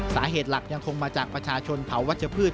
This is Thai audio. สาเหตุหลักยังคงมาจากประชาชนเผาวัชพืช